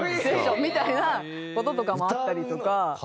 セッションみたいな事とかもあったりとか。